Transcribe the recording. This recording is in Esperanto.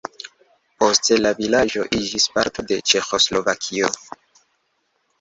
Poste la vilaĝo iĝis parto de Ĉeĥoslovakio.